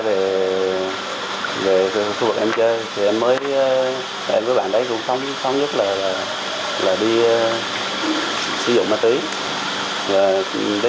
đến nay em cũng không biết em không biết em không biết em không biết em không biết em không biết em không biết em không biết em không biết em không biết em không biết em không biết em không biết em không biết em không biết